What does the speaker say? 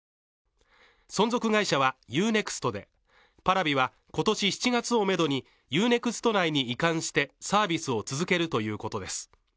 存続会社はＵ−ＮＥＸＴでＰａｒａｖｉは今年７月をめどにＵ−ＮＥＸＴ内に移管してサービスを続けるということです。